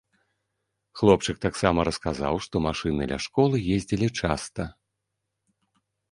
Хлопчык таксама расказаў, што машыны ля школы ездзілі часта.